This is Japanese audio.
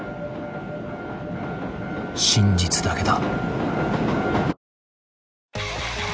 真実だけだ。